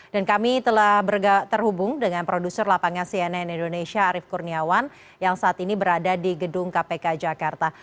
dan kami telah terhubung dengan produser lapangan cnn indonesia arief kurniawan yang saat ini berada di gedung kpk jakarta